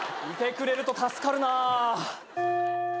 いてくれると助かるなぁ。